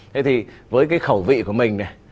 thế thì với cái khẩu vị của mình này